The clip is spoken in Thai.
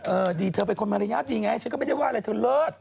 ดีเธอเป็นคนมารยาทดีไงฉันก็ไม่ได้ว่าอะไรเธอเลิศ